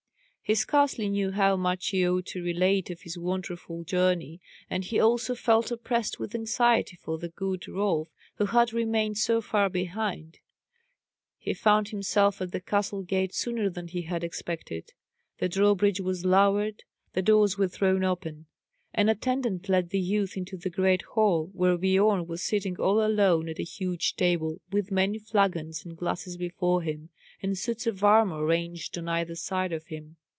He scarcely knew how much he ought to relate of his wonderful journey, and he also felt oppressed with anxiety for the good Rolf, who had remained so far behind. He found himself at the castle gate sooner than he had expected; the drawbridge was lowered, the doors were thrown open; an attendant led the youth into the great hall, where Biorn was sitting all alone at a huge table, with many flagons and glasses before him, and suits of armour ranged on either side of him.